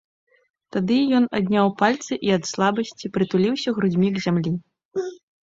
Тады ён адняў пальцы і ад слабасці прытуліўся грудзьмі к зямлі.